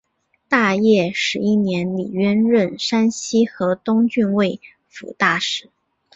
大业十一年李渊任山西河东郡慰抚大使。